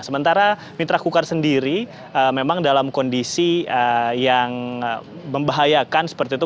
sementara mitra kukar sendiri memang dalam kondisi yang membahayakan seperti itu